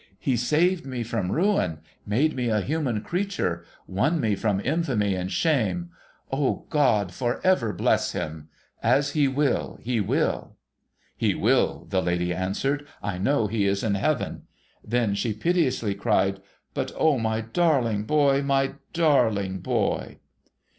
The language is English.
' He saved me from ruin, made me a human creature, won me from infamy and shame. O, God for ever bless him ! As He will, He will !'' He will 1 ' the lady answered. ' I know he is in Heaven !' Then she piteously cried, ' But O, my darling boy, my darling boy!'